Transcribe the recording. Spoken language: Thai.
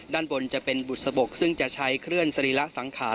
ด้านบนจะเป็นบุษบกซึ่งจะใช้เคลื่อนสรีระสังขาร